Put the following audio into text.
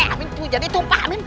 amin jadi itu